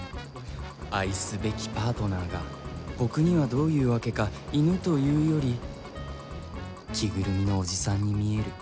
愛すべきパートナーが僕にはどういうわけか犬というより着ぐるみのおじさんに見える。